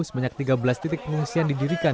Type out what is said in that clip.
sebanyak tiga belas titik pengungsian didirikan